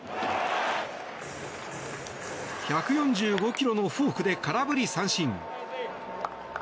１４５キロのフォークで空振り三振。